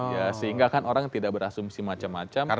ya sehingga kan orang tidak berasumsi macam macam